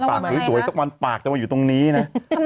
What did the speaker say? ปากคือสวยตรงนั้นปากจะมาอยู่ตรงนี้นะ